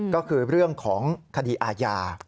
ก็คือเรื่องของคดีอาญา